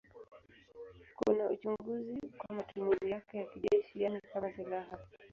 Kuna uchunguzi kwa matumizi yake ya kijeshi, yaani kama silaha.